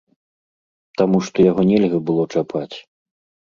Таму што яго нельга было чапаць.